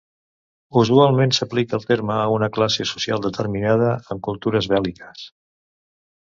Usualment s'aplica el terme a una classe social determinada en cultures bèl·liques.